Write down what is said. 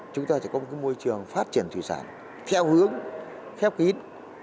chúng ta sẽ có một môi trường phát triển thủy sản theo hướng khép kín